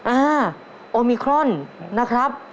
อ่าโอมิครอนนะครับ